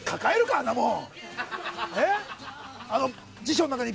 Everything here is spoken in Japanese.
あんなもん！